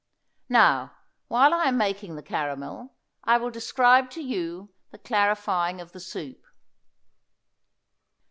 Now, while I am making the caramel, I will describe to you the clarifying of the soup.